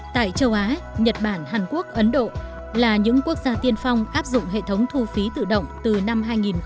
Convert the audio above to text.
tại châu á nhật bản hàn quốc ấn độ là những quốc gia tiên phong áp dụng hệ thống thu phí tự động từ năm hai nghìn một mươi